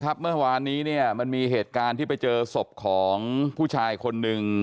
เมื่อวานนี้เนี่ยมันมีเหตุการณ์ที่ไปเจอศพของผู้ชายคนหนึ่ง